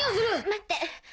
待って。